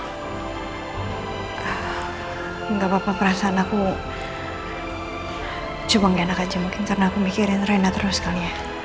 enggak papa papa perasaan aku cuma nggak enak aja mungkin karena aku mikirin rina terus kali ya